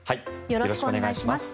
よろしくお願いします。